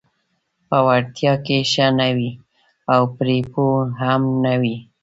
په وړتیا کې ښه نه وي او پرې پوه هم نه وي: